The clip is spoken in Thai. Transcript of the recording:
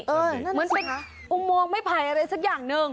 เออนั่นแหละสิคะเหมือนเป็นอุงมองไม่ผ่ายอะไรสักอย่างนึง